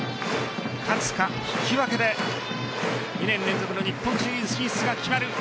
勝つか引き分けで２年連続の日本シリーズ進出が決まる。